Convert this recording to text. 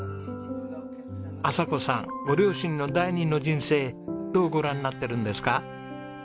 麻子さんご両親の第二の人生どうご覧になってるんですか？